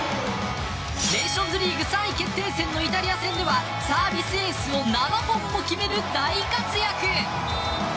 ネーションズリーグ３位決定戦のイタリア戦ではサービスエースを７本も決める大活躍。